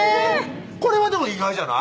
これはでも意外じゃない？